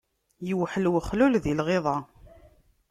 Iwḥel uxlul di lɣiḍa.